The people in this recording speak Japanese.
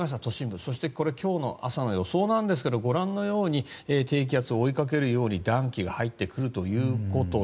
そしてこれ、今日の朝の予想なんですがご覧のように低気圧を追いかけるように暖気が入ってくるということで